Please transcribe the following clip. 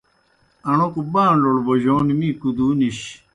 اݨوکوْ بانڈوْڈ بوجون می کُدُو نِش۔